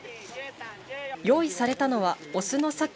用意されたのはオスのサケ